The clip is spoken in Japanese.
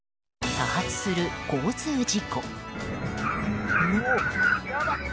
多発する交通事故。